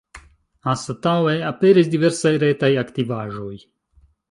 Anstataŭe aperis diversaj retaj aktivaĵoj.